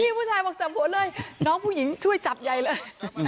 ผู้ชายบอกจับหัวเลยน้องผู้หญิงช่วยจับใหญ่เลย